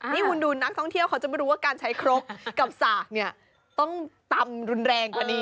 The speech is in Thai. นี่คุณดูนักท่องเที่ยวเขาจะไม่รู้ว่าการใช้ครกกับสากเนี่ยต้องตำรุนแรงกว่านี้